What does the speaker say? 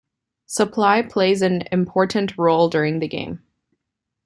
Supply plays an important role during the game.